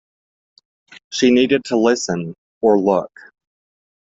She needed to listen "or" look.